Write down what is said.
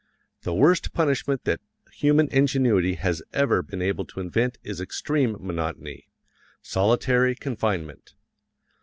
The worst punishment that human ingenuity has ever been able to invent is extreme monotony solitary confinement.